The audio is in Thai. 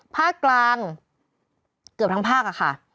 ภาคกลางเกือบทั้งภาคอะค่ะ